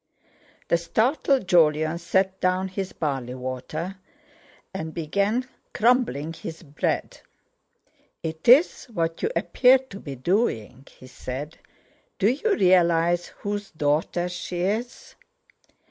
The startled Jolyon set down his barley water, and began crumbling his bread. "It's what you appear to be doing," he said. "Do you realise whose daughter she is?"